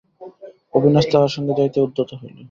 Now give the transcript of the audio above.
অবিনাশ তাহার সঙ্গে যাইতে উদ্যত হইল।